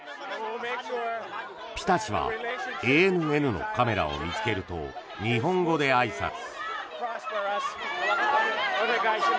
ピタ氏はＡＮＮのカメラを見つけると日本語であいさつ。